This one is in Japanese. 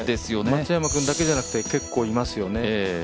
松山君だけじゃなくて結構いますよね。